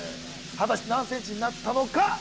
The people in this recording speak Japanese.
果たして何ｃｍになったのか？